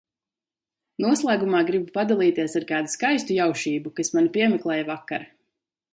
Noslēgumā gribu padalīties ar kādu skaistu jaušību, kas mani piemeklēja vakar.